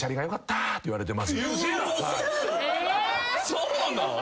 そうなん！？